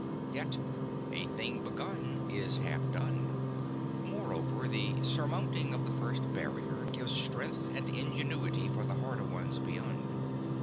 Yet "a thing begun is half done." Moreover the surmounting of the first barrier gives strength and ingenuity for the harder ones beyond.